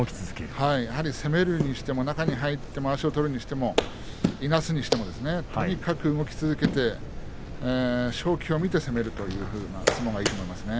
攻めるにしても中に入るにしてもまわしを取るにしてもいなすにしてもとにかく動き続けて勝機を見て攻めるというふうな相撲がいいと思いますね。